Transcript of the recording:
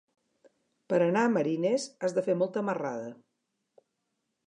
Per anar a Marines has de fer molta marrada.